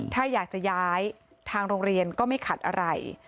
ถ้าอยากจะย้ายทางโรงเรียนก็ไม่ขัดอะไร